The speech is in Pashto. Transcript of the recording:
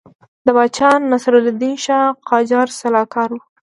د پاچا ناصرالدین شاه قاجار سلاکار وو.